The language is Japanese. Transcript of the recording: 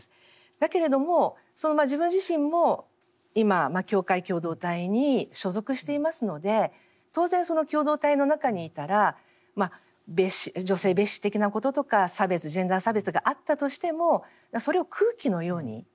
だけれどもその自分自身も今教会共同体に所属していますので当然その共同体の中にいたら女性蔑視的なこととか差別ジェンダー差別があったとしてもそれを空気のように吸っている。